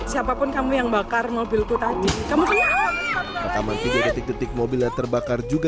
siapapun kamu yang bakar mobilku tadi kamu rekaman video detik detik mobilnya terbakar juga